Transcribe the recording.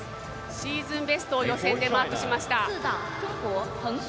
シーズンベストを予選でマークしました。